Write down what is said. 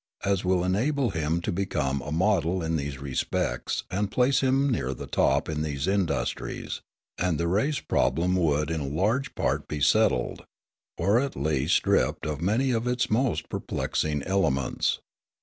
as will enable him to become a model in these respects and place him near the top in these industries, and the race problem would in a large part be settled, or at least stripped of many of its most perplexing elements.